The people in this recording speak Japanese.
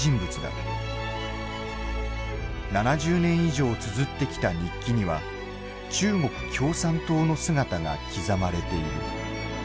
７０年以上つづってきた日記には中国共産党の姿が刻まれている。